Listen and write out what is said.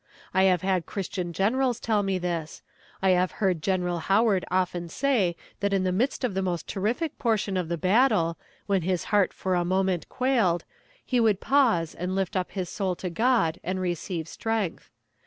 I have had christian generals tell me this. I have heard General Howard often say that in the midst of the most terrific portion of the battle, when his heart for a moment quailed, he would pause, and lift up his soul to God and receive strength.